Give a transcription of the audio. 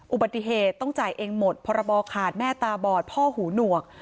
อุบัติเหตุต้องจ่ายเองหมดพรบขาดแม่ตาบอดพ่อหูหนวก